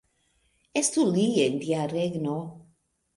Estu li en Dia regno!